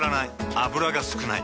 油が少ない。